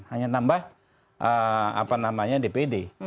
hanya nambah apa namanya dpd